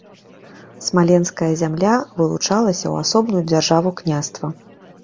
Смаленская зямля вылучылася ў асобную дзяржаву-княства.